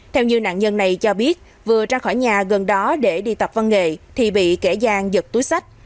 theo như nạn nhân này cho biết vừa ra khỏi nhà gần đó để đi tập văn nghệ thì bị kẻ giang giật túi sách